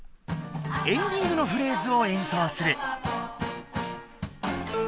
エンディングのフレーズを演奏する。